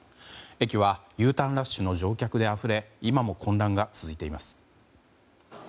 駅はＵターンラッシュの乗客であふれ今も混乱が続いています。